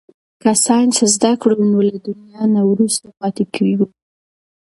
که ساینس زده کړو نو له دنیا نه وروسته پاتې کیږو.